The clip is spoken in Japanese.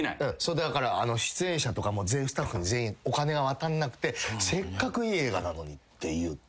だから出演者とかもスタッフに全員お金が渡んなくてせっかくいい映画なのにっていって。